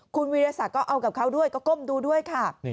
คุณวิทยาศักดิ์ก็เอากับเขาด้วยก็ก้มดูด้วยค่ะ